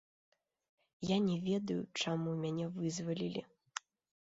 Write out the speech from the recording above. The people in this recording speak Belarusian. Я не ведаю, чаму мяне вызвалілі.